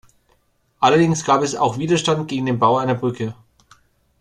Allerdings gab es auch Widerstand gegen den Bau einer Brücke.